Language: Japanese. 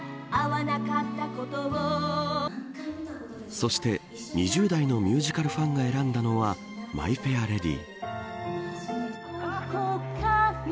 そして、２０代のミュージカルファンが選んだのはマイ・フェア・レディ。